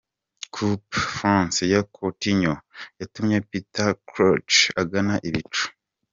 Coup Franc ya Coutinho yatumye Petr Czech agana ibicu .